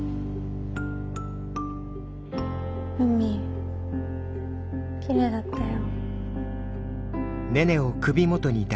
海きれいだったよ。